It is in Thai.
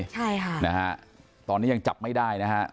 ใช่ค่ะนะฮะตอนนี้ยังจับไม่ได้นะฮะ